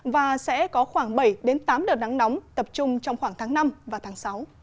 và sẽ có khoảng bảy tám đợt nắng nóng tập trung trong khoảng tháng năm và tháng sáu